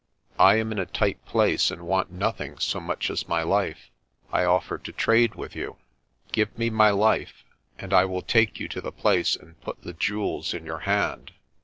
I am in a tight place and want nothing so much as my life. I offer to trade with you. Give me my life and I will take you to the place and put the jewels in your hand.